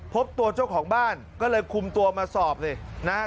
พบตัวเจ้าของบ้านก็เลยคุมตัวมาสอบสินะฮะ